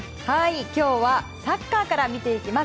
今日はサッカーから見ていきます。